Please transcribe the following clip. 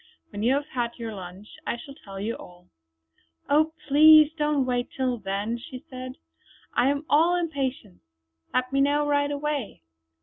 When you have had your lunch I shall tell you all." "Oh please don't wait till then," she said, "I am all impatience. Let me know right away."